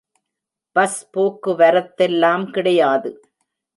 Bus போக்கு வரத்தெல்லாம் கிடையாது.